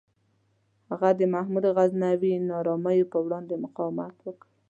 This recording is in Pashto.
هغه د محمود غزنوي نارامیو پر وړاندې مقاومت وکړ.